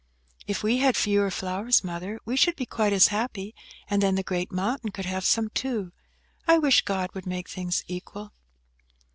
"If we had fewer flowers, Mother, we should be quite as happy, and then the great mountain could have some too. I wish God would make things equal."